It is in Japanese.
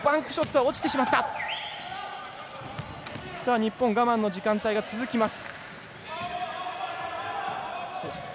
日本、我慢の時間帯が続きます。